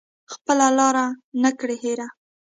خپله لاره نه کړي هیره